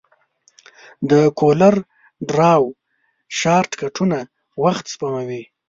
د کولر ډراو شارټکټونه وخت سپموي.